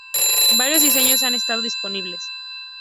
Varios diseños han estado disponibles.